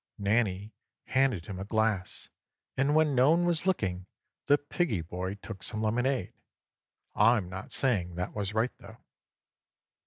Nannie handed him a glass, and when no one was looking the piggie boy took some lemonade. I'm not saying that was right, though.